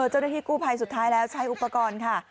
เจ้าหน้าที่กู้ภัยสุดท้ายแล้วใช้อุปกรณ์ค่ะ